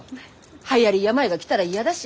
はやり病が来たら嫌だし。